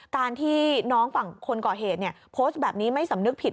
การที่น้องฝั่งคนก่อเหตุโพสต์แบบนี้ไม่สำนึกผิด